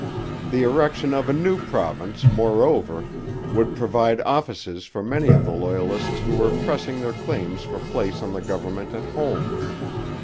The erection of a new province, moreover, would provide offices for many of the Loyalists who were pressing their claims for place on the government at home.